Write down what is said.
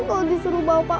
kalau disuruh bawa